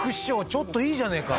ちょっといいじゃねえか」